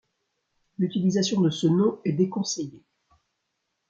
L'utilisation de ce nom est déconseillée.